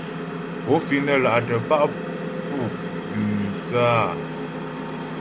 Pó fíŋ nə́ là'tə̀ pá' pú gʉ́m tsə́ a ?